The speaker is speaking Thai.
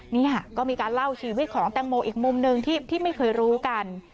นี่ค่ะก็มีการเล่าชีวิตของแตงโมอีกมุมหนึ่งที่ไม่เคยรู้กัน